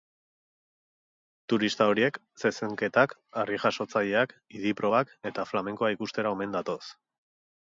Turista horiek zezenketak, harri-jasotzaileak, idi-probak eta flamenkoa ikustera omen datoz.